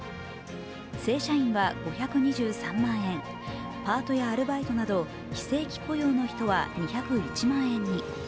正社員は５２３万円、パートやアルバイトなど非正規雇用の人は２０１万円に。